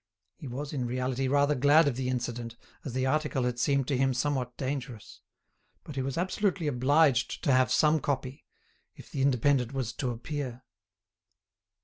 He was, in reality, rather glad of the incident, as the article had seemed to him somewhat dangerous. But he was absolutely obliged to have some copy, if the "Indépendant" was to appear.